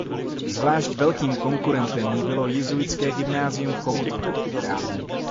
Zvlášť velkým konkurentem jí bylo jezuitské gymnázium v Chomutově.